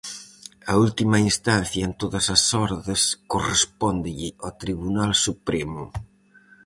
A última instancia en todas as ordes correspóndelle ao Tribunal Supremo.